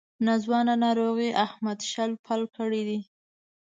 ناځوانه ناروغۍ احمد شل پل کړی دی.